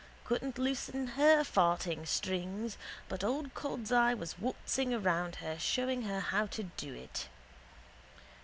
Couldn't loosen her farting strings but old cod's eye was waltzing around her showing her how to do it.